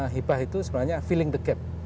hibah itu sebenarnya filling the gap